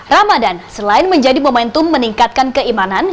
ramadan selain menjadi momentum meningkatkan keimanan